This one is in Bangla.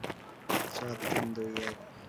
চার, তিন, দুই, এক!